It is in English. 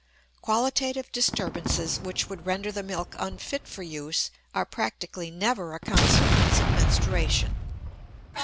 Qualitative disturbances which would render the milk unfit for use are practically never a consequence of menstruation.